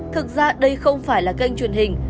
thực ra đây không phải là kênh truyền hình